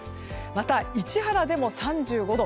また、市原でも３５度。